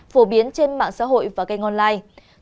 phổ biến trên mạng xã hội và kênh online